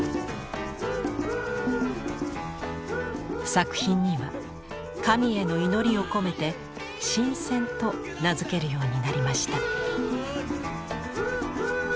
作品には神への祈りを込めて「神饌」と名付けるようになりました。